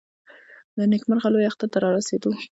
د نېکمرغه لوی اختر د رارسېدو .